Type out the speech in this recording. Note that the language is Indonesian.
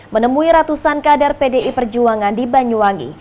menemui ratusan kader pdi perjuangan di banyuwangi